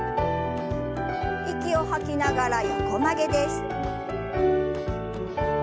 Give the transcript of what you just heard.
息を吐きながら横曲げです。